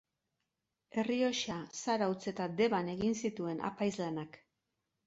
Errioxa, Zarautz eta Deban egin zituen apaiz lanak.